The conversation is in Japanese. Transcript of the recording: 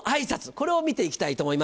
これを見ていきたいと思います。